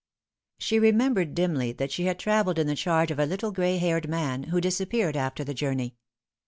She remembi ared dimly that she had travelled in the charge of a little gray liaired man, who disappeared after the journey.